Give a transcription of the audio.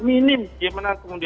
minim itu komunikasi agar henri